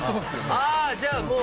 ああじゃあもう。